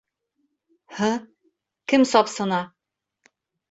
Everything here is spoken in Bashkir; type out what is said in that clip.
Һы... кем сапсына?